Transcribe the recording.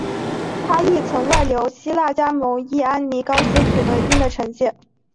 他亦曾外流希腊加盟伊安尼高斯取得一定的成绩。